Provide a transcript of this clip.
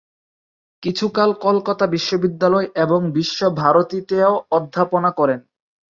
কিছুকাল কলকাতা বিশ্ববিদ্যালয় এবং বিশ্বভারতীতেও অধ্যাপনা করেন।